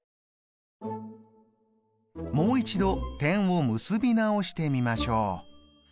もう一度点を結び直してみましょう。